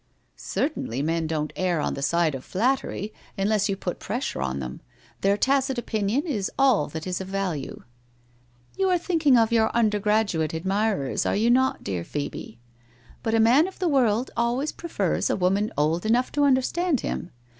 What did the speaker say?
' Certainly, men don't err on the side of flattery, unless you put pressure on them. Their tacit opinion is all that is of value.' * You are thinking of your undergraduate admirers, are you not, dear Phcebe? But a man of the world, always prefers a woman old enough to understand him.